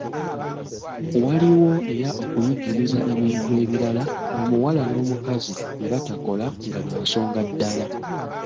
Waaliwo era okuyigiriza ebintu ebirala omuwala n’omukazi bye batakola nga bya nsonga ddala.